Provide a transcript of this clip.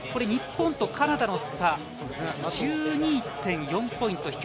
日本とカナダの差が１２．４ポイント。